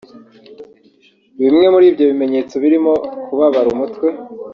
Bimwe muri ibyo bimenyetso birimo Kubabara umutwe